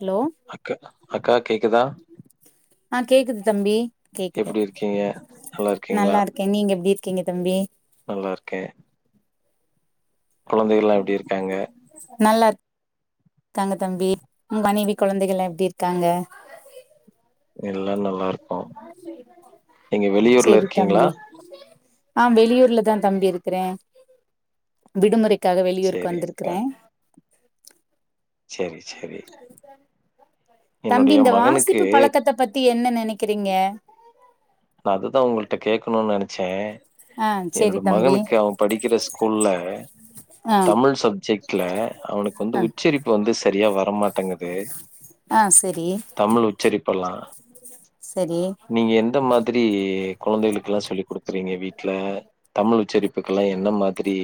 Hello அக்க அக்கா கேக்குதா ஆ கேட்குது தம்பி கேக்குது எப்டி இருக்கீங்க? நல்லா இருக்கே நீங்க எப்டி கேங்க தம்பி நல்லா இருக்கே குழந்தை எல்லா எப்டி இருக்காங்க நல்லர் க்காங்க தம்பி மு மனைவி குழந்தைகள்லா எப்டி இருக்காங்க எல்லா நல்ல பார்க்கோம் நீங்க வெளியூர்ல சேரி இருக்கீங்ளா தம்பி ஆ வெளியூர்லதா தம்பி இருக்ற விடுமுறை க்காக வெளியூருக்கு சேரி வந்திருகுற அக்கா. சேரி சேரி. தம்பி என்னுடைய இந்த மகனுக்கு வாசிப்பு பழக்கத்த பத்தி என்ன நினைக் கிருங்க நா அதுதா உங்கள்ட கேகணு நனைக் சே ஆ என்னோட சேரி தம்பி மகனுக்கு அவ படிக்கிற ஸ்கூல்ல ஆ தமிழ் சப்ஜெக்ட்ல அவுனுக்கு வந்து ஆ உச்சரிப்பு வந்து சரியா வரமாட்டேங்குது ஆ செரி தமிழ் உச்சரிப்பெல்லா செரி நீங்க எந்த மாதி தேரியே கொழந்தைகளுக்கேல்லா சொல்லி் குடுக்குறீங்க வீட்ல தமிழ் உச்சரிப்புக்கெல்லா எந்த மாதிரி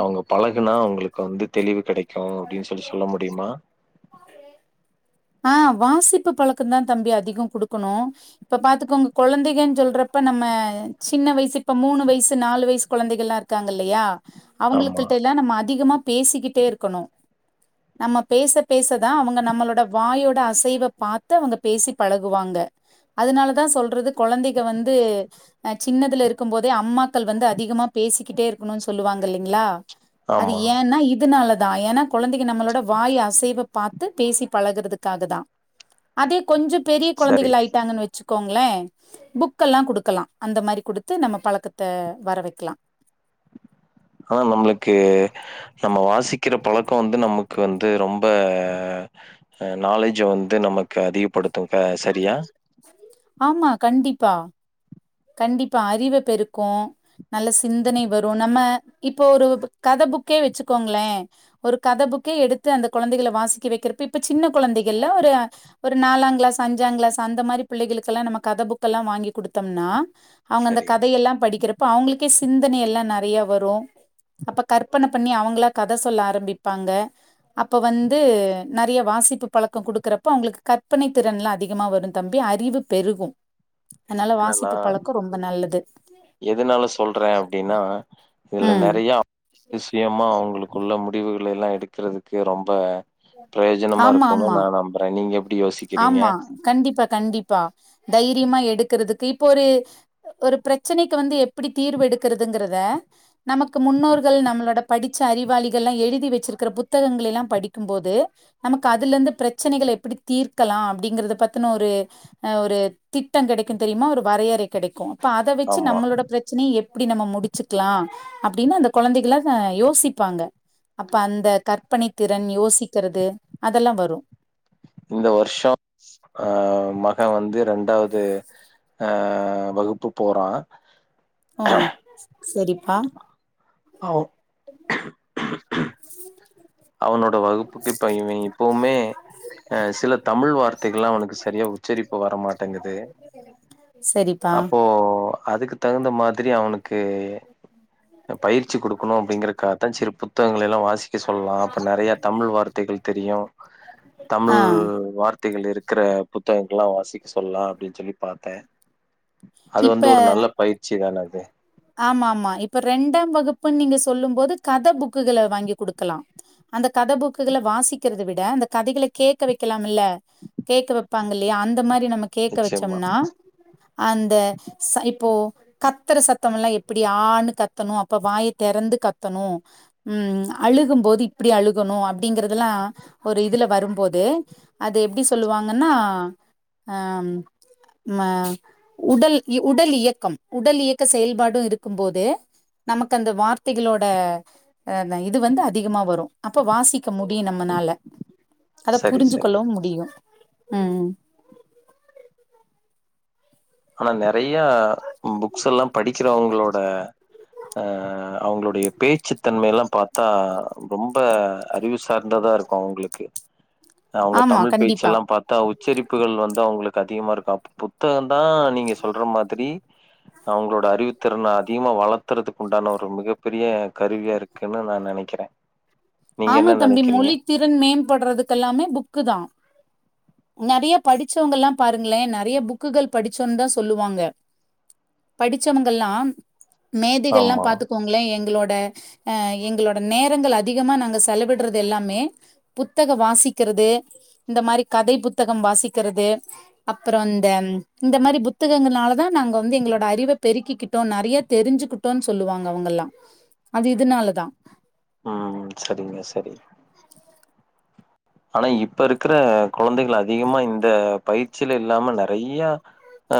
அவுங்க பழகுனா அவுங்களுக்கு வந்து தெளிவு கெடைக்கோ அப்டின் சொல்லி சொல்ல முடியுமா ஆ வாசிப்பு பழக்கோந்தா தம்பி அதிகோ கொடுக்கனோ இப்ப பாத்துக்கோங்க கொழந்தைக சொல்றப்ப நம்ம சின்ன வயசு இப்ப மூணு வயசு நாலு வயசு குழந்தைகள்லா இருக்காங்க இல்லையா ஆமா அவுங்கள்கிட்டல்ல நம்ம அதிகமா பேசிக்கிட்டே இருக்கணு நம்ம பேச பேச தா அவுங்க நம்மளோடப் வாயோட அசைவ பாத்து அவுங்க பேசி பழகுவாங்க அதனாலதா சொல்றது கொழந்தைக வந்து அ சின்னதுல இருக்கும் போதே அம்மாக்கள் வந்து அதிகமா பேசிக்கிட்டே இருக்கணு சொல்லுவாங்க இல்லைங்ளா அது ஆமா ஏன்னா இதுனால தா ஏன்னா கொழந்தைக நம்மளோட வாய் அசைவ பாத்து பேசி பழகுறதுக்காக தா அதே கொஞ்ச பெரிய சரி. கொழந்தைகள் ஆயிட்டாங்கன் வெச்சு க்கோங்ளே புக்கெல்லா குடுக்கலா அந்த மாரி குடுத்து நம்ம பழக்கத்த வர வைக்லா ஆனா நம்மளுக்கு நம்ம வாசிக்கிற பழக்கொ வந்து நமக்கு வந்து ரொம்ப அ நாலேஜ் வந்து நமக்கு அதிகப்படுத் து ப சரியா ஆமா கண்டிப்பா கண்டிப்பா அறிவ பெருக்கோ நல்ல சிந்தனை வரோ நம்ம இப்போ ஒரு கத புக்கே வெச்சுக்கோங்களே ஒரு கத புக்கே எடுத்து அந்த கொழந்தைகள வாசிக்க வெக்கறப்ப இப்ப சின்ன கொழந்தைகள்ல ஒரு ஒரு நாலாங் கிளாஸ் அஞ்சாங் கிளாஸ் அந்த மாரி பிள்ளைகளுக்கெல்லா நம்ம கத புக்கல்லா வாங்கி குடுத்தம்னா அவுங்க அந்த சரி. கதையெல்லா படிக்கிறப்ப அவுங்களுக்கே சிந்தனை எல்லா நெறைய வரு அப்ப கற்பன பண்ணி அவுங்ளா கத சொல்ல ஆரம்பிப்பாங்க அப்ப வந்து நெறைய வாசிப்பு பழக்கொ குடுக்குறப்ப அவுங்களுக்கு கற்பனை திறன்லா அதிகமா வரு தம்பி அறிவு பெருகு அன்னால வாசிப்பு அ பழக்கம் ரொம்ப நல்லது. எதனால சொல்றே அப்டின்னா இதுல ம். நெறைய அதிசயமா அவுங்களுக்குள்ள முடிவுக லையெல்லா எடுக்குறது கு ரொம்ப ஆமா, பிரயோஜனமாருக்குனு ஆமா. நா நம்புற நீங்க எப் ஆமா கண்டிப்பா கண்டிப்பா தை ரியமா எடுக்குறதுக்கு இப்போ ஒரு ஒரு ப்ரச்சனைக்கு வந்து எப்புடி தீர்வு எடுக்குறதுங்கறத நமக்கு முன்னோர்கள் நம்மளோட படிச்ச அறிவாளிகள்லா எழுதி வச்சுருக்குற புத்தகங்களெல்லா படிக்கும்போது நமக்கு அதுலருந்து பிரச்சனைகள எப்டித் தீர்க்கலா அப்டிங்கிறத பத்துன ஒரு அஹ் ஒரு திட்டங் கெடைக்கு தெரியுமா ஒரு வரையறை கெடைக்கு இப்ப அத வச்சு ஆமா. நம்மளோட பிரச்சனை எப் ப்டி நம்ம முடிச்சுக்லா அப்டின்னு அந்த கொழந்தைகள்லா அஹ் யோசிப்பாங்க அப்ப அந்த கற்பனை திறன் யோசிக்கிறது அதெல்லா வரு இந்த வர்ஷோ ஆஹ் ம க வந்து ரெண்டாவ்து ஆஹ் வகுப்பு போறா ஆஹ் செரிப்பா அ ஓ [inaudible] அவனோட வகுப்புக்கு இப்ப இவ இப்பவுமே அஹ் சில தமிழ் வார்த்தைகலா அவனுக்கு சரியா உச்சரிப்பு வரமாட்டெங்குது சரிப்பா அப்போ அதுக்கு தகுந்த மாதிரி அவனுக் கு பயிற்சி குடுக்கணு அப்டிங்கிறக்காக தா செருப்பு புத்தகங்களெல்லா வாசி க்க சொல்லா அப்ப நெறைய தமிழ் வார்த்தைகள் தெரியு ஆ தமிழ் வார்த்தைகள் இருக் க்கிற புத்தகங்கள்லா வாசிக் சொல்லா அப்டின் சொல்லி பாத்தே அது வந்து ஒரு இப்ப நல்ல பயிற்சி தான அது ஆமா ஆமா இப்ப ரெண்டாம் வகுப்புன் நீங்க சொல்லும் போது கத புக்குகள வாங்கி குடுக்கலா அந்த கத புக்குகள வாசிக்கிறத விட அந்த கதைகள கேக்க வைக்கலா முல்ல கேக்க வெப் பாங்க இல்லயா அந்த மாரி நம் ம்ம் கேக்க நிச்சயமா வெச்சம்னா அந்த ச இப்போ கத்துர சத் தம்லா எப்டி ஆணு கத்தணு அப்ப வாய தெறந்து கத்தணு உம் அழுகும்போது இப்டி அழுகணு அப்டிங்கிறதுலா ஒரு இதுல வரும்போது அது எப்டி சொல்லுவாங்கனா ஆம் ம உடல் இ உடல் இயக்கம் உடல் இயக் க செயல்பாடு இருக்கும் போது நமக்கு அந்த வார்த்தைகளோட அஹ் இது வந்து அதிகமா வரு அப்ப வாசிக்க முடியு நம்மனால அத சரி புரிஞ்சு சரி கொள்ளவு முடியு உம் ஆனா நெறையா புக்ஸெல்லா படிக்கிறவ்ங்களோட அஹ் அவ்ங்களுடைய பேச்சு தன்மைலா பாத்தா ரொம்ப அறிவு சார்ந்ததா இருக்கு அவ்ங்ளுக்கு அஹ் அவ்ங்க ஆமாம் தமிழ் கண்டிப்பா பேச்செல்லா பாத்தா உச்சரிப் புகள் வந்து அவ்ங்களுக்கு அதிகமாக இருக்கு அப்ப புத்தகந் தா நீங்க சொல்ற மாதிரி அவ்ங்ளோட அறிவுத்திறனா அதிகமா வளர்த்துறத்துக்கு உண்டான ஒரு மிகப்பெரிய கருவியா இருக்குனு நா நெனைக்கிறே ஆமா தம்பி மொழி திறன் மேம்படுறதுக்கெல்லாமே புக்கு தான் நிறைய படிச்சவங்க எல்லாம் பாருங்களேன் நிறைய புக்குகள் படிச்சோன்னு தான் சொல்லுவாங்க படிச்சவங்கெல்லாம் மேதைகள் எல்லாம் ஆமா பாத்துக்கோங்களேன் எங்களோட ஆ எங்களோட நேரங்கள் அதிக அதிகமா நாங்க செலவிடுறது எல்லாமே புத்தகம் வாசிக்கிறது இந்த மாதிரி கதை புத்தகம் வாசிக்கிறது அப்புறம் இந்த இந்த மாதிரி புத்தகங்களாலதான் நாங்க வந்து எங்களோட அறிவை பெருக்கிக்கிட்டோம் நிறைய தெரிஞ்சுக்கிட்டோம் சொல்லுவாங்க அவங்கல்லாம் அது இதனாலதான் ம் சரிங்க சரி ஆனா இப்ப இருக்கிற குழந்தைகள் அதிகமா இந்த பயிற்சில இல்லாம நிறைய அ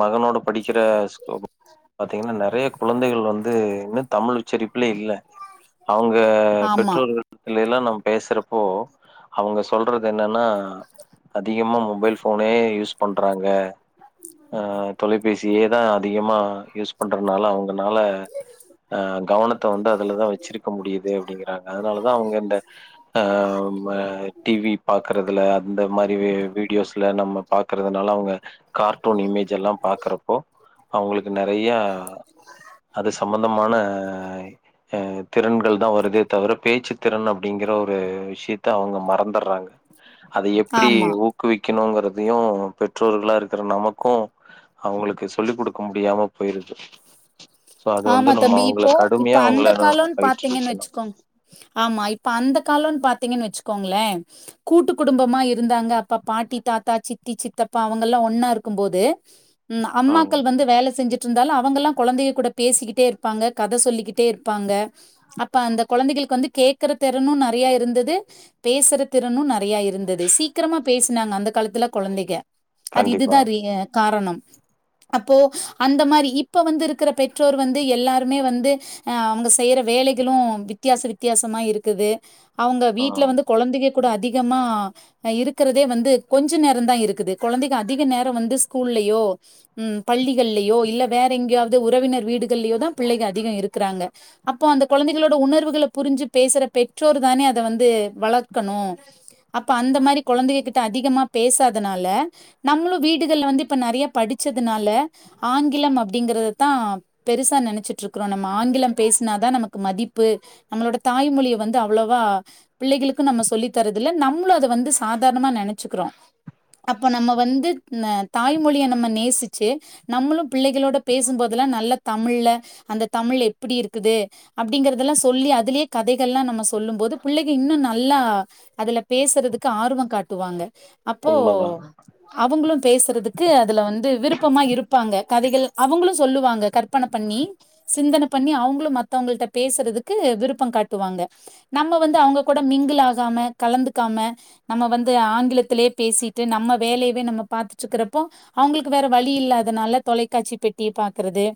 மகனோட படிக்கிற ஸ்கோப் பாத்தீங்கன்னா நிறை நிறைய குழந்தைகள் வந்து இன்னும் தமிழ் உச்சரிப்புலேயே இல்ல அவுங்க ஆமா பெற்றோர்களிடத்தில எல்லாம் நம் பேசறப்போ அவங்க சொல்றது என்னன்னா அதிகமா மொபைல் போனே யூஸ் பண்றாங்க ஆ தொலைபேசியேதான் அதிகமா யூஸ் பண்றதுனால அவங்க அதனால கவனத்தை வந்து அதுலதான் வச்சிருக்க முடியுது அப்படிங்கறாங்க அதனாலதான் அவங்க இந்த ஆ டிவி பார்குறதுல அந்த மாதிரி வீடியோஸ்ல நம்ம பார்க்கறதுனால அவங்க கார்ட்டூன் இமேஜ் எல்லாம் பார்க்கறப்போ அவங்களுக்கு நிறைய அது சம்பந்தமான அ திறன்கள் தான் வருதே தவிர பேச்சு திறன் அப்படிங்கிற ஒரு விஷயத்தை த அவங்க மறந்துடுறாங்க அத எப்படி ஆமா ஊக்குவிக் க்கணுங்கிறதையும் பெற்றோர்களா இருக்கிற நமக்கும் அவங்களுக்கு சொல்லிக் கொடுக்க முடியாம போயிருது சோ அது வந்து ஆமா நம்ம தம்பி அவங்கள இப்போ இப்ப கடுமையா அந்த அவங்கள நம்ம காலம்னு பாத்தீங்கன்னு பயிற்றுவிக்கணு வச்சுக்கோங்க ஆமா இப்ப அந்த காலன்னு பாத்தீங்கன்னு வச்சுக்கோங்களே கூட்டு குடும்பமா இருந்தாங்க அப்பா பாட்டி தாத்தா சித்தி சித்தப்பா அவங்க எல்லாம் ஒன்னா இருக்கும்போது ம் அம்மாக்கள் வந்து வேல செஞ்சுட்டு இருந்தால் அவங்கல்லா குழந்தை கூட பேசிக்கிட்டே இருப்பாங்க கத சொல்லிக்கிட்டே இருப்பாங்க அப்ப அந்த குழந்தைகளுக்கு வந்து கேட்கற திறனும் நிறைய இருந்தது பேசுற திறனும் நிறைய இருந்தது சீக்கிரமா பேசினாங்க அந்த காலத்துல குழந்தெங்க அது கண்டிப்பா இதுதா ரி காரணம் அப்போ அந்த மாதிரி இப்ப வந்து இருக்கிற பெ ற்றோர் வந்து எல்லாருமே வந்து அ அவங்க செய்யற வேலைகளும் வித்தியாச வித்தியாசமா இருக்குது அவங்க வீட்டுல ம் வந்து குழந்தைக கூட அதிகமா இருக்கிறதே வந்து கொஞ்ச நேரம் தா இருக்குது குழந்தை அதிக நேரம் வந்து ஸ்கூல்லயோ பள்ளிகள்லயோ இல்ல வேற எங்கேயாவது உறவினர் வீடுகள்யோ தா பிள்ளைக அதிகம் இருக்கிறாங்க அப்போ அந்த குழந்தைகளோட உணர்வுகள புரிஞ்சு பேசுற பெற்றோர் தானே அத வந்து வளர்க்கணும் அப்ப அந்த மாரி குழந்தைக கிட்ட அதிகமா பேசாதனால நம்மளும் வீடுகள்ல வந்து இப்ப நிறைய படிச்சதுனால ஆங்கிலம் அப்படிங்கறத தா பெருசா நினைச்சிட்டு இருக்கிறோம் நம்ம ஆங்கிலம் பேசினாதா நமக்கு மதிப்பு நம்மளோட தாய்மொழிய வந்து அவ்வளோவா பிள்ளைகளுக்கு நம்ம சொல்லி தரது இல்ல நம்மளும் அத வந்து சாதாரணமா நினைச்சுக்கிறோம் அப்போ நம்ம வந்து தாய்மொழிய நம்ம நேசிச்சு நம்மளும் பிள்ளைகளோட பேசும்போதெல்லாம் நல்ல தமிழ்ல அந்த தமிழ் எப்படி இருக்குது அப்படிங்கறதெல்லா சொல்லி அதுலயே கதைகள்லா நம்ம சொல்லும் போது பிள்ளைங்க இன்னும் நல்லா அதுல பேசுறதுக்கு ஆர்வம் காட்டுவாங்க அப்போ உண்மதா அவங்களும் பேசுறதுக்கு அதுல வந்து விருப்பமா இருப்பாங்க கதைகள் அவங்களும் சொல்லுவாங்க கருத்து கற்பனை பண்ணி சிந்தனை பண்ணி அவங்களும் மத்தவங்கள்ட பேசுறதுக்கு விருப்பம் காட்டுவாங்க நம்ம வந்து அவங்க கூட மிங்கல் ஆகாம கலந்துக்காம நம்ம வந்து ஆங்கிலத்திலேயே பேசிட்டு நம்ம வேலையவே நம்ம பார்த்துட்டு இருக்கிறப்போ அவங்களுக்கு வேற வழி இல்லாதனால தொலைக்காட்சி பெட்டிய பாக்குறது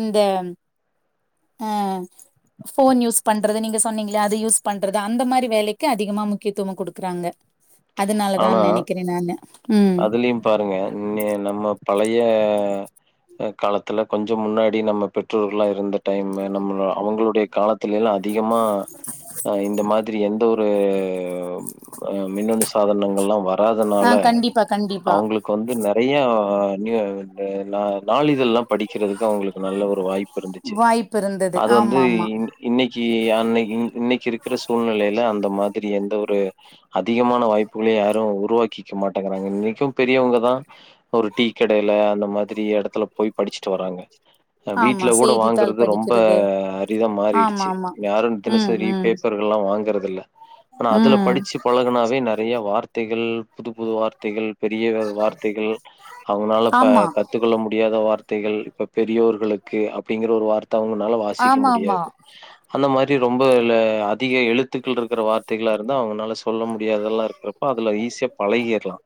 இந்த அ போன் யூஸ் பண்றது நீங்க சொன்னீங்களே அது யூஸ் பண்றது அந்த மாதிரி வேலைக்கு அதிகமா முக்கியத்துவம் கொடுக்குறாங்க அதனாலதான் நினைக்கிறேன் நானு ம் அதுலயும் பாருங்க நம்ம பழக்கி ய காலத்துல கொஞ்சம் முன்னாடி நம்ம பெற்றோர்கள்ல்லாம் இருந்து டைம் நம்ம அவங்களுடைய காலத்துல எல்லாம் அதிகமா ஆ இந்த மாதிரி எந்த ஒரு ஒரு ஆ மின்னணு சாதனங்கள் எல்லாம் ஆ வராதனால கண்டிப்பா கண்டிப்பா அவங்களுக்கு வந்து நறைய நா என்ன நாலு இதல்லாம் படிக்கிறதுக்கு அவங்களுக்கு நல்ல ஒரு வாய்ப்பு இருந்துச்சு வாய்ப்பு இருந்தது அது வந்து ஆமா ஆமா இன்னைக்கு இன்னைக்கு இருக்கிற சூழ்நிலையில அந்த மாதிரி எந்த ஒரு அதிகமான வாய்ப்புகளையும் யாரும் உருவாக்கிக்க மாட் கக்கறாங்க இன்னைக்கும் பெரியவங்கதான் ஒரு டீ கடையில அந்த மாதிரி எடத்துல போய் படிச்சுட்டு வராங்க ஆமா வீட்ல கூட செய்தித்தாள் வாங்குறது ரொம்ப படிக்கிறது அரிதா ஆமா மாறிடுச்சு ஆமா யாரும் ம் தினசரி ம் பேப்பர்கள் எல்லாம் வாங்கறது இல்ல ஆனா அதுல ம் படிச்சு பழகுனாவே நறையா வார்த் தைகள் புது புது வார்த்தைகள் பெரிய வார்த்தைகள் அவனால ப ஆமா கத்துக்கொள்ள முடியாத வார்த்தை ர்த்தைகள் இப்ப பெரியோர்களுக்கு அப்படிங்கிற ஒரு வார்த்தை த்தவங்கனால வாசிக்க ஆமா ஆமா முடியாது அந்த மாரி ரொம்ப அதிக எழுத்துக்கள் இருக்கிற வார்த்தைகளா இருந்தா அவங்கனால சொல்ல முடியாதெல்லாம் இருக்கிறப்போ அதுல ஈசிய வெலங்கிர்லாம்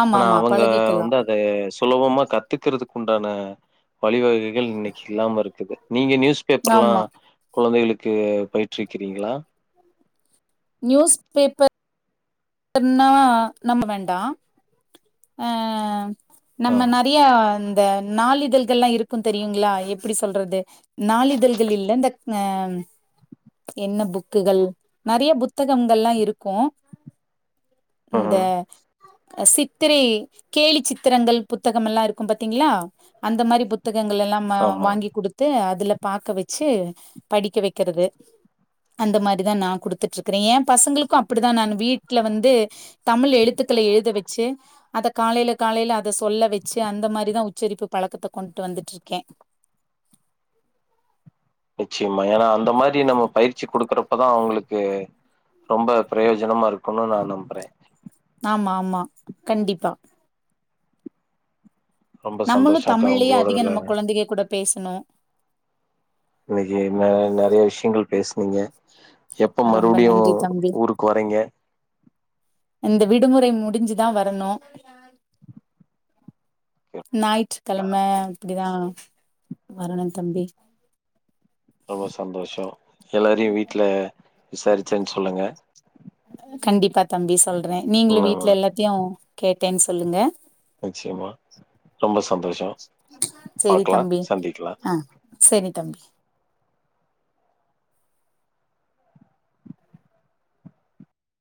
ஆமா ஆனா ஆமா அவங்க அந்த பழகிக்கலா வந்து அத சுலபமா கத்துக்கரது அதுக்கு உண்டான வழிவக ல் இன்னைக்கு இல்லாமல் இருக்குது நீங்க நியூஸ் பேப்பர் எல்லாம் ஆமா குழந்தைகளுக்கு க்கு பயிற்று ருக்கிறீங்களா நியூஸ் பேப்பர் னாவா நம்ம வேண்டாம் ஆ ஆ. நம்ம நறையா இந்த நாளிதழ்கள் எல்லாம் இருக்கும் தெரியுங்களா எப்படி சொல்றது நாளிதழ்கள் இல்ல இந்த ஆ என்ன புக்குகள் நிறைய புத்தகங்கள்ல்லாம் இருக்கும் இந்த ம்ஹ்ம். அசி பத்திரை கேலி சித்திரங்கள் புத்தகம் எல்லாம் இருக்கும் பாத்தீங்களா அந்த மாதிரி புத்தக ங்காளல்லாம் ஆமா. வாங்கி கொடுத்து அதுல பாக்க வச்சு படிக்க வைக்கிறது அந்த மாரிதான் நான் கொடுத்துட்டு இருக்கிறேன் என் பசங்களுக்கும் அப்படிதான் நான் வீட்ல வந்து தமிழ் எழுத்துக்களை எழுத வச்சு அத காலையில காலையில அத சொல்ல வச்சு அந்த மாரிதான் உச்சரிப்பு பழக்கத்தை கொண்ட்டு வந்துட்டு இருக்கேன் நிச்சயமா ஏன்னா அந்த மாதிரி நம்ம பயிற்சி குடுக்குறப்பதான் அவங்களுக்கு ரொம்ப பிரயோஜனமா இருக்குன்னு நான் நம்புறேன் ஆமா ஆமா கண்டிப்பா ரொம்ப நம்மளும் சந்தோஷக்கா தமிழ்லயே அதிகம் உங்களோடதுல நம்ம குழந்தைக கூட பேசணும் இன்னைக்கு ந நிறைய விஷயங்கள் பேசுனீங்க எப்ப ரொம்ப மறுபடியும் நன்றி தம்பி ஊருக்கு வரீங்க இந்த விடுமுறை முடிஞ்சுதான் வரணும் அக்கா ஞாயிற்றுக்கிழமை அப்படிதான் வரணும் தம்பி ரொம்ப சந்தோஷம் எல்லாரையும் வீட்டுல விசாரிச்சேன்னு சொல்லுங்க கண்டிப்பா தம்பி சொல் றேன் நநீங்களு ம் வீட்டு்ல எல்லாத்தையு கேட்டேன் சொல்லுங்க நிச்சமா ரொம்ப சந்தோஷொ பாக்லா சந்திகிலா செரி தம்பி